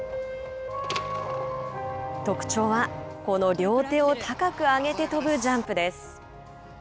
特長は、この両手を高く上げて跳ぶジャンプです。